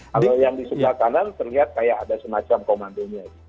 kalau yang di sebelah kanan terlihat kayak ada semacam komandonya